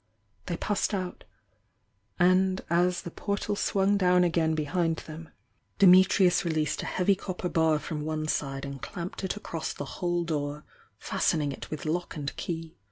They pa^d out, and as the portal swung down again behind them, Dimitrius released a heavy copper bar from one side and clamped it across the whole door, fast, ening it with lock and key.